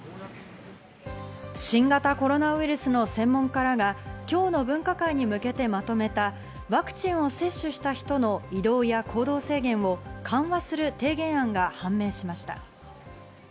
新型コロナウイルスの専門家らが今日の分科会に向けてまとめたワクチンを接種した人の移動や行動制限を緩和する提言案が判明しました。